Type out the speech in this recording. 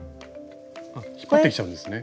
あっ引っ張ってきちゃうんですね。